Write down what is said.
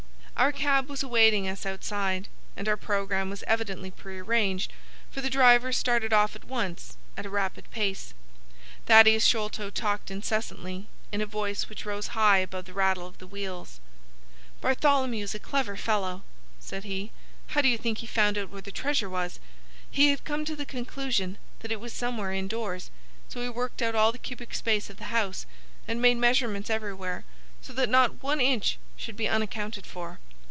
Our cab was awaiting us outside, and our programme was evidently prearranged, for the driver started off at once at a rapid pace. Thaddeus Sholto talked incessantly, in a voice which rose high above the rattle of the wheels. "Bartholomew is a clever fellow," said he. "How do you think he found out where the treasure was? He had come to the conclusion that it was somewhere indoors: so he worked out all the cubic space of the house, and made measurements everywhere, so that not one inch should be unaccounted for.